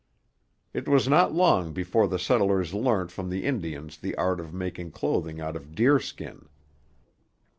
It was not long before the settlers learnt from the Indians the art of making clothing out of deer skin.